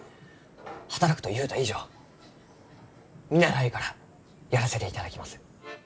「働く」と言うた以上見習いからやらせていただきます。